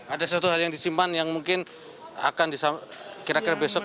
ada sesuatu hal yang disimpan yang mungkin akan kira kira besok